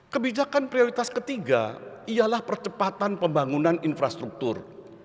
kebijakan prioritas ketiga ialah percepatan pembangunan infrastruktur